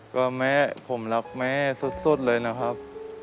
ก็แม่ผมรักแม่สุดเลยนะครับ